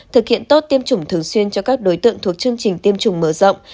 thực hiện tốt tiêm chủng thường xuyên cho các đối tượng thuộc chương trình tiêm chủng mở rộng